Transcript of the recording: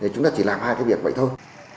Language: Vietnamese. chúng ta chỉ làm hai cái việc vậy thôi